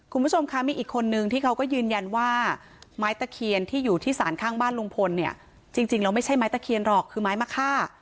คุณผู้ชมคะมีอีกคนนึงที่เขาก็ยืนยันว่าไม้ตะเคียนที่อยู่ที่ศาลข้างบ้านลุงพลเนี่ยจริงแล้วไม่ใช่ไม้ตะเคียนหรอกคือไม้มะค่า